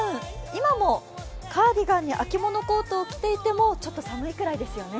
今もカーディガンに秋物コートを着ていても寒いぐらいですよね。